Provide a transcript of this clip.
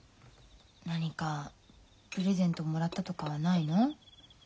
何かプレゼントもらったとかはないの？